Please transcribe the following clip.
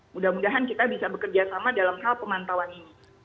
mudah mudahan kita bisa bekerja sama dalam hal pemantauan ini